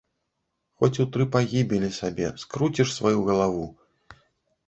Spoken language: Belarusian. Хоць у тры пагібелі, сабе, скруціш сваю галаву!